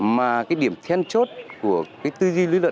mà cái điểm then chốt của cái tư duy lý luận